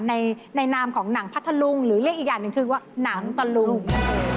ในนามของหนังพัทธลุงหรือเรียกอีกอย่างหนึ่งคือว่าหนังตะลุง